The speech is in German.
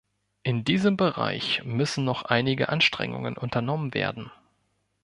In diesem Bereich müssen noch einige Anstrengungen unternommen werden.